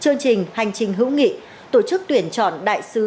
chương trình hành trình hữu nghị tổ chức tuyển chọn đại sứ du lịch hà nội